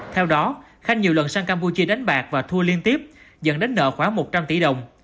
theo đó khanh nhiều lần sang campuchia đánh bạc và thua liên tiếp dẫn đến nợ khoảng một trăm linh tỷ đồng